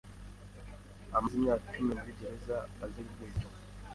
Amaze imyaka icumi muri gereza azira ubwicanyi.